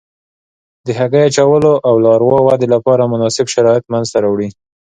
د هګۍ اچولو او لاروا ودې لپاره مناسب شرایط منځته راوړي.